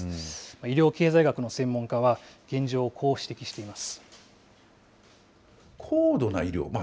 医療経済学の専門家は、現状、こう指摘しています。